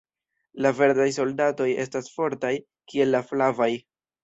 La verdaj soldatoj estas fortaj kiel la flavaj.